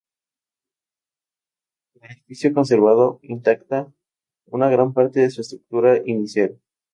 El edificio ha conservado intacta una gran parte de su estructura inicial.